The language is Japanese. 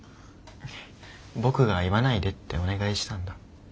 僕が「言わないで」ってお願いしたんだ。